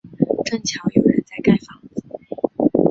正巧有人在盖房子